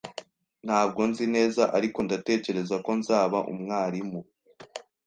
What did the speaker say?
Ntabwo nzi neza, ariko ndatekereza ko nzaba umwarimu.